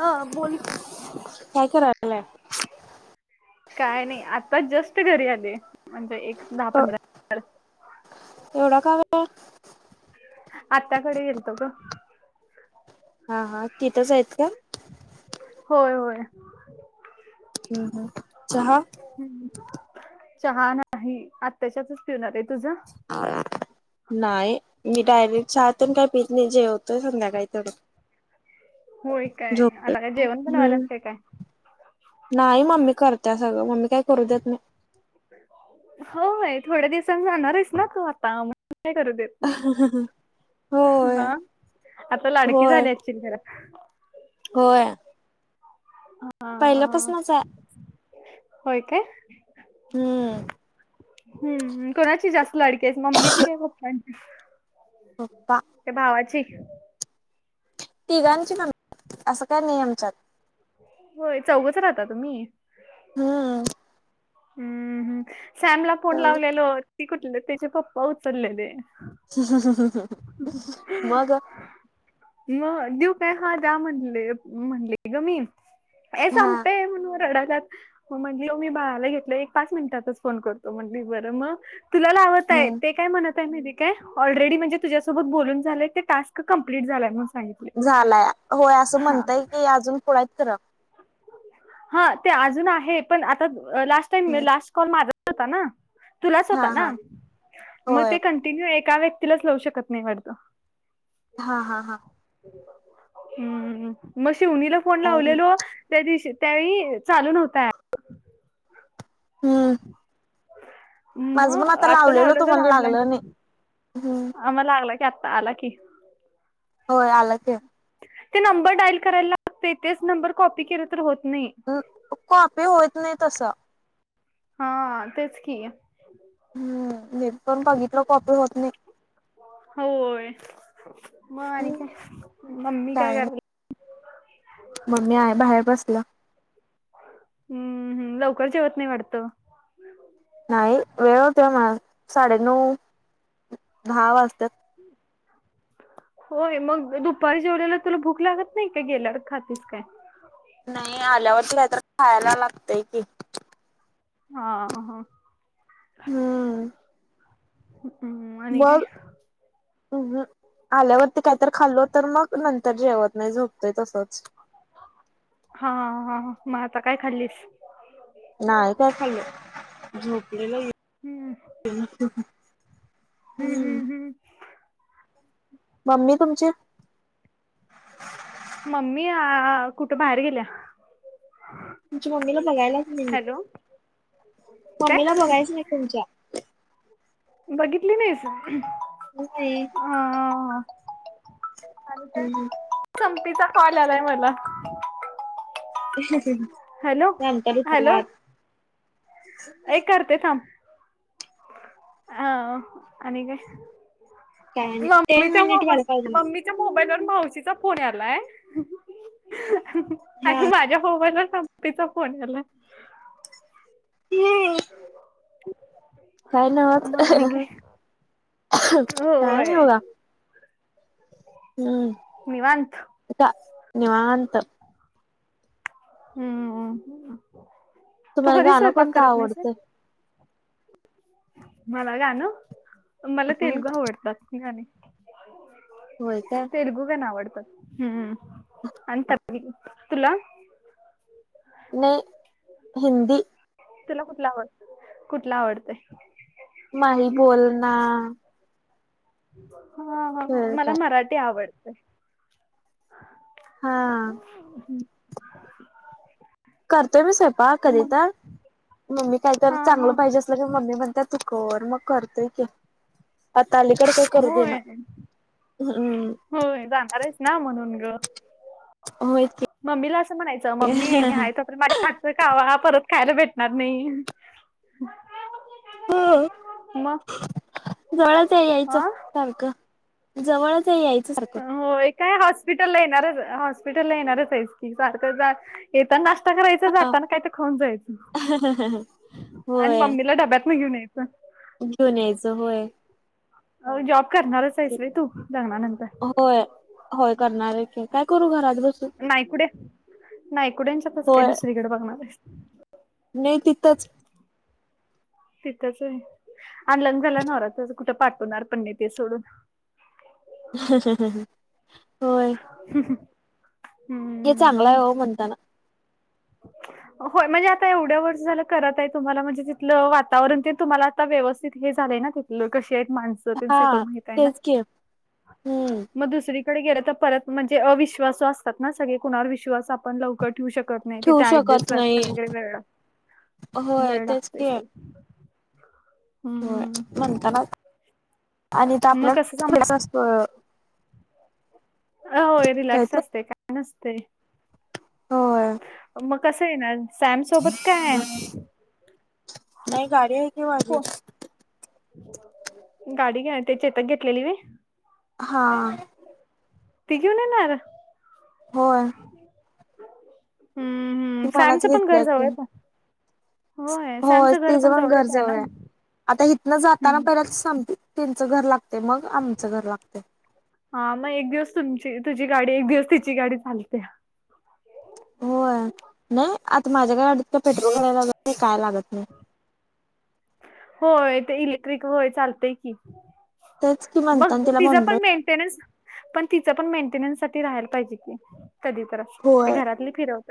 हा. बोल की. काय करा- यला? काय नाही. आताच जस्ट घरी आले. म्हणजे एक दहा अ पंधरा- [unintelligible] एवढा का वेळ? आत्याकडे गेलतो ग. हा हा. तिथंच आहेत का? होय होय. हम् हम चहा? चहा नाही आत्याच्यातच पिवूण आले, तुझं? ह [inaudible] नाही मी डायरेक्ट चहातून काही पित नाहीजेवतोय संध्याकाळी थोडं होय काय आता काय जेवण हम्म बनवायलाच का काय? नाही मम्मी करत्या सगळं मम्मी काही करू देत नाय होय थोड्या दिवसां जाणारयस ना तू आता मग नाय करू देत नाही होय हा आता लाडकी होय झाले अशील जरा होय हा पहिल्यापासनचाय होय काय? हम्म हम्म हं कोणाची जास्त लडकीयस मम्मीची की पप्पांची? पप्पा त्या भावाची? तिघांची पण असं काय नाही आमच्यात होय चौघच राहता तुम्ही? हं हम्म हम् सॅमला फोन लावलेलो ती कुठली तीचे पप्पा उचलेले हं हं मग? मग देऊ काय? हा जा म्हणले म्हणले ग मी हे हा संपय म्हणून रडा जात म्हणे मी बाळाला घे एक पाच मिनिटात फोन करतो म्हणले. बर मग तुला लावतय आहे. हम्म ते काय म्हणत आहे माहित काय ऑलरेडी म्हणजे तुझ्यासोबत बोलून झालेय ते टास्क कमंप्लीट झाला म्ह- झालाय होय असं म्हणतय की अजून पुढत खरं हा ते अजून आहे पण आ लास्ट टाईम [unintelligible] फोन माझाच होता ना? तुलाच होता हा ना? हा म होय. ते कंटिन्यू एका व्यक्तीलाच लवू शकत नाही वाटतं? हा हा हा हम्म मग शिउनीला फोन काय नाही. लावलेलो त्या दिवशी त्यावेळी चालू नव्हतं ॲप हम्म माझ मण मग आता लावलेल लावलं तर तुम्हाला ऑनलाईन लागलं नाही. हम् आम्हाला लागला की, आत्ता आला की होय आला की ते नंबर डाईल करायला लागते तेच तेच नंबर कॉपी केलं तर होत नाही. काॅपी होत नाही तसा हा, तेच की हम् नेट पण बघितलं कॉपी होत नाही होय मग आणि हम्म काय, मम्मी काय करायली? मम्मी आहे बाहेर बसलंया हम्म हम लवकर जेवत नाही वाटतं नाही वेळ होतोय म्हणा साडेनऊ दहा वाजतात होय मग दुपारी जेवल्यावर तुला भूक लागत नाही का? गेल्यावर खातीस काय? नाही आल्यावर काहीतरी खायाला लागतय की हा हं हम्म हम्म हम्म. आणि काय मग. अम ह आल्यावरती काय तर खाल्लो तर मग नंतर जेवत नाही झोपतोय तसंच. हा हा हा हा मग आता काय खाल्लीस. नाही काय खाल्ल झोपली बई. हम्म. हम्म हम्म हम्म. मम्मी तुमची मम्मी आ कुठे बाहेर गेल्या. तुमच्या मम्मीला बघायलाच नाही मी हॅलो काय मम्मीला बघायचंये तुमच्या. बघितली नाहीस. नाही. हा आणि त्या संपीचा कॉल आलाय मला. [unintelligible] हॅलो नंतर उचला हॅलो. आत ये करते थांब अ आणि काय? काय नाही मम्मी टेन जाऊ मिनिट व्हायला आपण पाहिजे मम्मी च्या मोबाईल वर मावशीचा फोन आलाय. आणि हा माझ्या मोबाईल वर सं [inaudible] तीचा फोन आलाय. हम्म. [inaudible] काय ना होत मग आणि काय [unintelligible] काय नाही होय बाबा. हम्म निवांत आता निवांत. हम्म हम्म हम्म तू तुम्हाला कधी गाणं स्वयंपाक कोणतं करत नाहीस व्हय. आवडतंय मला गाणं मला हं, तेलगू आवडतात गाणे. होय काय तेलगु गाणे आवडतात हम्म. हा. आणि [inaudible] तुला? नाही हिंदी. तुला कुठला आवडत कुठला आवडतय. नाही बोल ना. हा हा हा होय मला काय मराठी आवडतय. हा [inaudible] करतोय मी स्वयंपाक कधी मग तर मम्मी काय तर हा हा चांगलं पाहिजे अस ते बी मम्मी म्हणतात तु कर म करतोय की. आता अलीकडं काही करू दे ना होय हम हम्म. होय जाणार आहेस ना म्हणून ग. होयच की मम्मीला असं म्हणायचं मम्मी मी आहे तो पर्यंत माझ्या वाटतय खावा परत खायला भेटणार नाही. हो [unintelligible] म. जवळच यायचं सारखं जवळचये यायच हो काय हॉस्पिटल ला येणारच हॉस्पिटल ला येणारच आहेस की सारखं जा ते पण नाश्ता करायचा हा जातांना काय ते खाऊन जायचं. [unintelligible] आणि होय मम्मीला डब्यांतन घेऊन यायचं. घेऊन यायचं व्हय. अ जॉब करणारच आहेस रे तू लग्नानंतर. होय होय करणार आहे काय करू घरात बसून नाही कुडे नाही कुड्यांच्यातच काय होय दुसरीकडे बघणार ये. नाही तिथंच तिथंच आहे अन लग्न झाल्यावर नवरा कुठे पाठवणार पण नाही ते सोडून होय. हमह. हे चांगलंय हो म्हणताना हो म्हणजे आता एवढ्या वर्ष झालं करत आहे तुम्हाला म्हणजे तिथलं वातावरण ते तुम्हाला आता व्यवस्थित हे झालंय ना ते लोक कशी आहेत माणस सगळं हा माहित आहे ना. तेच की हम्म मग दुसरीकडे गेले तर परत म्हणजे अविश्वास असतात ना सगळे कुणावर विश्वास आपण लवकर ठेवू शकत नाही ठेवू तिथे ॲडजेस्ट शकत व्हायला नाही वेळ लागतो होय वेळ तेच की लागतो. होय हममम.. म्हणताना आणि तर आपल्या सांग [unintelligible] होय काय रिलॅक्स ते असते काय नसते. होय मग कसं येणार सॅम सोबत काय? नाही गाडी आहे की माझी हो. गाडी घ्याया ते चेतक घेतलेली भी हा. ती घेऊन येणार होय. हम्म हम्म ती मलाच सॅमचं पण घेतल्या घर की. जवळच आहे. होय सॅमचं तीज पण जवळच घर आहे ना जवळय आता इथनं जाताना हम्म. पहिला सांगते त्यांच घर लागतय मग आमच घर लागतय हा मग एक दिवस तुमची तुझी गाडी एक दिवस तिची गाडी चालतया. होय नाही आता माझ्या गाडीत पेट्रोल भराया लागत नाय काय लागत नाय. होय ते इलेक्ट्रिक होय चालतय की तेच की म्हणताना मग तिला तिज म्हणलोय पण मेन मेंटेनन्स तिच पण मेंटेनन्स साठी राहायला पाहिजे की कधीतर होय घरातली फिरव [inaudible]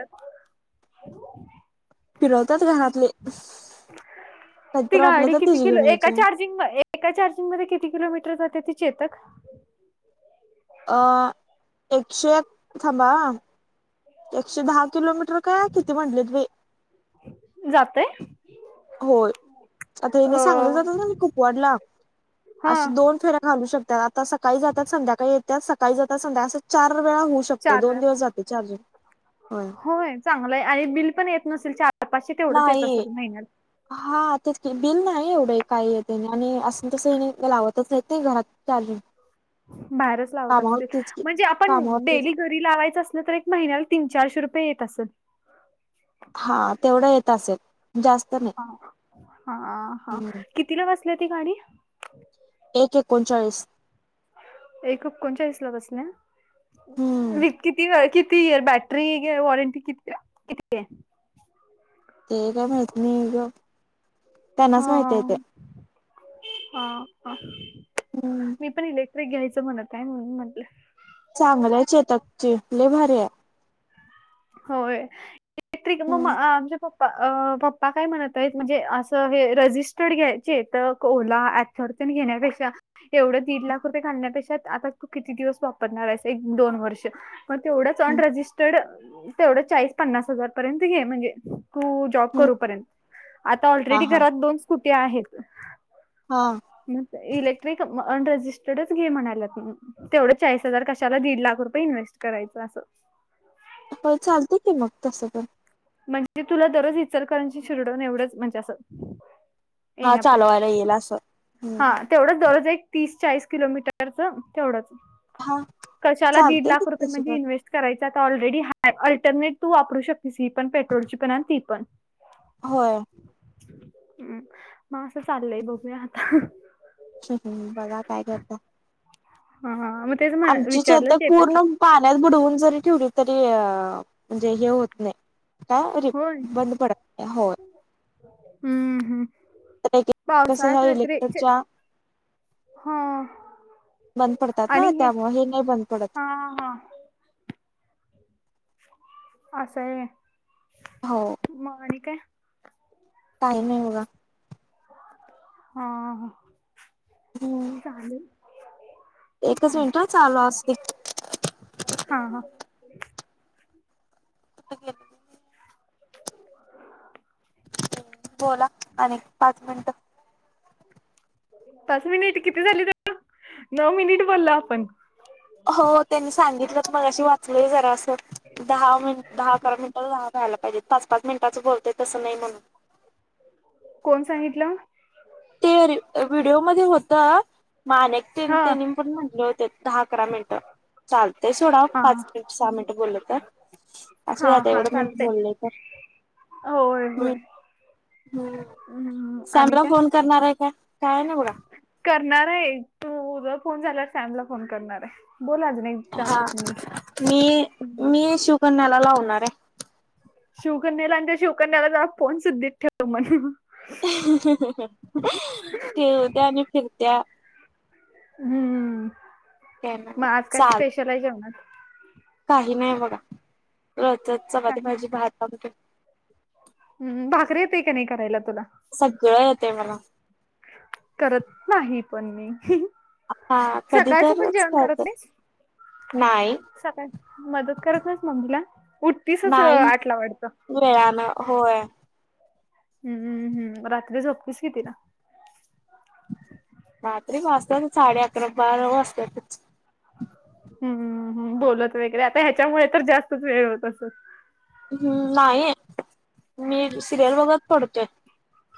फिरवतात घरातले ती काहीतर वाटलं गाडी तर किती तिची किलो घेऊन एका यायची चार एका चार्जिंग मध्ये किती किलोमीटर जाते ती चेतक? अ एकशे एक थांबा अ एकशे दहा किलोमीटर का किती म्हटलीत बाई जातय होय आता अ हेनी सांगली ला जात्यात कुपवाडला हा असे दोन फेऱ्या घालू शकतात आता सकाळी जातात संध्याकाळी येतात सकाळी जातात संध्याकां चार वेळा होऊ शक चार दोन वेळा दिवस जातय चार्जर होय होय चांगलंय आणि बिल पण येत नसेल चार पाचशे तेवढंच येत नाही. असेल महिन्याला हा तेच की बिल नाही एवढं काही येत नाही आणि असून तसं लावतच नाही घरात चार्जिंग [inaudible] बाहेरच लावत कामावर असतील तेच की म्हणजे आपण कामावर तेच डेली घरी घरी लावायचं असल तर एक महिन्याला तीन चारशे रुपये येत असल हा तेवढं येत असेल जास्त नाही. हा हा. हम्म कितीला बसली ती गाडी? एक एकोणचाळीस. एक कोणचाळीस ला बसले ना. हम्म वी किती कितीर बॅटरी वॉरंटी किती किती आहे ते काय माहित नाही ग त्यांनाच हा माहित आहे ते हा हा हम्म मी पण ईलट ते घ्यायचं म्हणत आहे म्हणून म्हंटलं चांगल्या च येत्यात की लय भरी आहे. होय इलेक्ट्रिक म म हम्म आमचे पप्पा प अ पप्पा काय म्हणत आहेत म्हणजे असं हे रजिस्टर्ड घ्यायचे तर कोला फॉर्च्यून घेण्यापेक्षा एवढं दीड लाख रुपये घालण्यापेक्षा आता तु किती दिवस वापरणार आहेस एक, दोन वर्ष मग तेवढंच हम्म अनरजिस्टर्ड तेवढं चाळीस, पन्नास हजार पर्यंत घे म्हणजे तु जॉब हम्म करूपर्यंत आता हा ऑलरेडी हा घरात दोन स्कुटी आहेत हा मग इलेक्ट्रिक अ अनरजिस्टर्डच घे म्हणाल्यात तेवढं चाळीस हजार कशाला दीड लाख रुपये इनव्हेस्ट करायचं आसं होय चालत की मग तसं पण म्हणजे तुला दररोज इचलकरांची शिरढोण एवढंच म्हणजे असं हा एण्यापुरत चालवायला येईल असं. हम्म हा तेवढंच दररोज एक, तीस, चाळीस किलोमीटरच अ तेवढंच हा कशाला दीड चालतंय की लाख रुपये तसं म्हणजे पण इन्व्स्ट करायचा ऑलरेडी ह अल्टरनेट तू वापरू शकतेस ही पण पेट्रोलची पण आणि ती पण होय हु म असं चाललंय बघूया आता हं हु हु बघा काय करता हा हा म तेच म आमची छतक पूर्ण पाण्यात बुडवून जरी ठेवली तरी अ म्हणजे हे होत नाही का होय बंद पडत नाही होय. हम्म हम्म स [unintelligible] ह पावसाळ्यात वगैरे इलेक्ट्रिकच्या हा.. बंद पडतात ना त्यामुळ हे नाही बंद हा पडत हा आस हाय होय हो मग आणि काय काही नाही बघा हा.. हम्म. चालेल. एकच मिनिट चालतंय चालू असुदे. हा हा. कुत के [unintelligible] बोला आणि पाच मिनिटं पाच मिनिट किती झालीत नऊ मिनिट बोललो आपण. हो त्यांनी सांगितलं तर मगशी वाचलय जरा अस दहा मिनट, दहा, अकरा मिनिट दहा व्हायला पाहिजेत पाच, पाच मिनटाच बोलतय तसं नाही म्हणून. कोण सांगितलं? ते व्हिडिओ मध्ये होता हा मानकनी पण म्हटले होते दहा, अकरा मिनट. चालतय सोडा हा पाच ते सहा मिनिट बोलल तर. असू हा दे आता हा एवढं मिनट चालतय बोलय त होय होय. हम्म. हम्म आणि सॅमला काय फोन करणार आहे काय? काय नाई बगा. करणार आहे एक तूज फोन झाल्यावर सॅमला फोन करणार आहे. बोल अजून एक चार हा. पाच मिनिट मी मी शिकन्याला लावणार हाय. शिवकन्याला आणि त्या शिवकन्याला जा फोन सुुद्धी ठेव मन अहं. अहं अहं ठेवत्या आणि फिरत्या. हम्म. काय नाही मग बघा आज काय चाल स्पेशल आहे जेवणात? काही नाही बघा. रोजच चपाती, काही भाजी, भात आमटी. हम्म. भाकरी येतय का नाही करायला तुला? सगळं येतय मला. करत नाही पण मी अहं. हा कधी सकाळचं पण तरच जेवण करत नाहीस? नाही सकाळ मदत करत नाहीच मम्मीला उठतीसच आटला वाढत? वेळान होय. हम्म हम्म. रात्री झोपतीस किती ला? रात्री वाजता साडे अकरा, बारा वाजतातच. हम्म हम्म, बोलत वगैरे आता ह्याच्यामुळे तर जास्तच वेळ होत अस हम्म. नाही मी सिरियल बगत पडतोय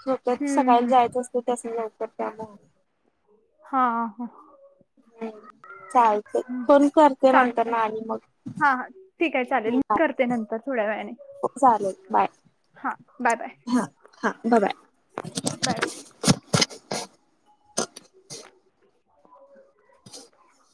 झोपेत हम्म सकाळी हम्म. जायच असतय त्यासनी लवकर त्या हा हा. हम्म. चालतेय फोन करते नंतर न चालतंय आणि मग हा हा ठीक आहे चालेल हम्म. मी करते नंतर थोड्या वेळाने. चालेल बाय हा बाय बाय हा हा ब बाय. बाय. [inaudible]